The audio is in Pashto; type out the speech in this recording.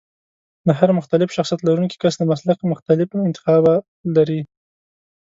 د هر مختلف شخصيت لرونکی کس د مسلک مختلف انتخاب لري.